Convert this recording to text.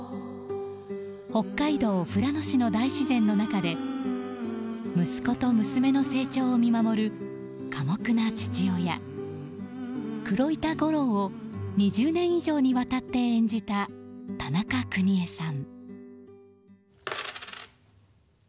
北海道富良野市の大自然の中で息子と娘の成長を見守る寡黙な父親・黒板五郎を２０年以上にわたって演じた田中邦衛さん。